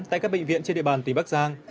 tại các bệnh viện trên địa bàn tỉnh bắc giang